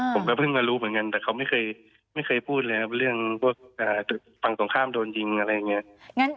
ผมก็เพิ่งมารู้เหมือนกันแต่เขาไม่เคยพูดเลยครับเรื่องพวกฝั่งตรงข้ามโดนยิงอะไรอย่างนี้